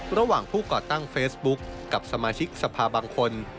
ระหว่างผู้ก่อตั้งเฟซบุ๊กกับสมาชิกสภาบางคน